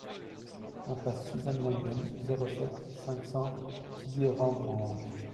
Impasse Suzanne Lenglen, zéro sept, cinq cents Guilherand-Granges